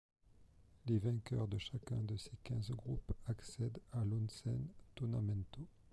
Les vainqueurs de chacun de ces quinze groupes accèdent à l'Honsen Tonamento.